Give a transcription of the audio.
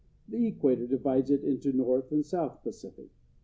The equator divides it into the North and South Pacific.